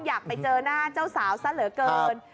อยากไปเจอหน้าเจ้าสาวซะเหลือเกิน